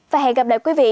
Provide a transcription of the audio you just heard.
và hẹn gặp lại quý vị